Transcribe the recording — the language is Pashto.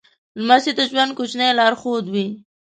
لمسی د ژوند کوچنی لارښود وي.